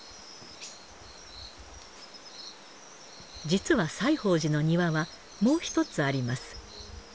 実は西芳寺の庭はもう一つあります。